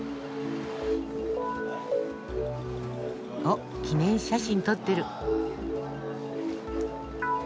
おっ記念写真撮ってる。